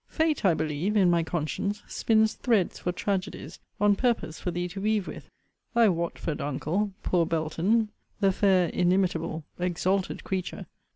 Fate, I believe, in my conscience, spins threads for tragedies, on purpose for thee to weave with. Thy Watford uncle, poor Belton, the fair inimitable, [exalted creature!